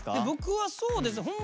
僕はそうですね。